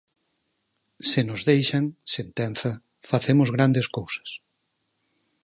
"Se nos deixan", sentenza, "facemos grandes cousas".